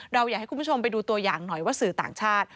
เราอยากให้คุณผู้ชมไปดูตัวอย่างหน่อยว่าสื่อต่างชาติ